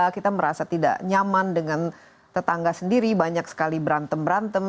kita merasa tidak nyaman dengan tetangga sendiri banyak sekali berantem berantem